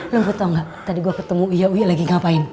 lo tau gak tadi gue ketemu uya uya lagi ngapain